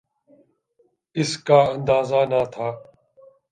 اس کا اندازہ نہ تھا۔